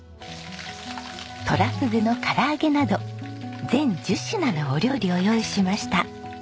トラフグの唐揚げなど全１０品のお料理を用意しました。